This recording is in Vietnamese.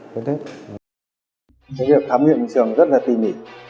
việc khám nghiệm trường rất là tỉ mỉ